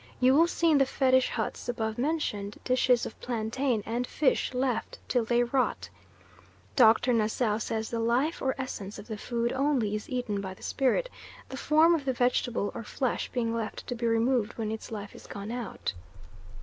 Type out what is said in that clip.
You will see in the Fetish huts above mentioned dishes of plantain and fish left till they rot. Dr. Nassau says the life or essence of the food only is eaten by the spirit, the form of the vegetable or flesh being left to be removed when its life is gone out.